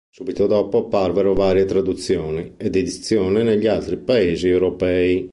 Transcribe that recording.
Subito dopo apparvero varie traduzioni ed edizioni negli altri paesi europei.